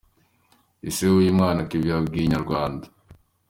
Ise w’uyu mwana Kevin yabwiye Inyarwanda.